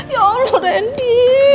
ya allah randy